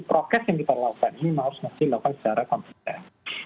prokes yang kita lakukan ini harus masih dilakukan secara kompeten